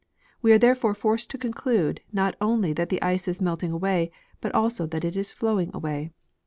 We are therefore forced to conclude not only that the ice is melt ing away, but also that it is flowing away.